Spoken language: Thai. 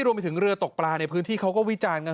รวมไปถึงเรือตกปลาในพื้นที่เขาก็วิจารณ์กัน